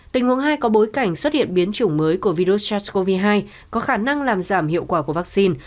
tình huống hai có bối cảnh xuất hiện biến chủng mới của virus sars cov hai có khả năng làm giảm hiệu quả của vaccine